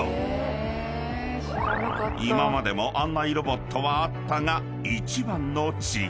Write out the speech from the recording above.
［今までも案内ロボットはあったが］